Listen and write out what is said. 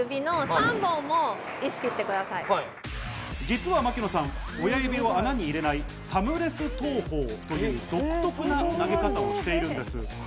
実は槙野さん、親指を穴に入れない、サムレス投法という独特な投げ方をしているんです。